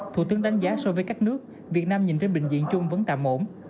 thủ tướng đánh giá so với các nước việt nam nhìn trên bệnh viện chung vẫn tạm ổn